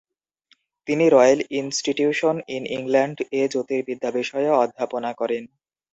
তিনি Royal Institution in ইংল্যান্ড-এ জোতির্বিদ্যা বিষয়ে অধ্যাপনা করেন।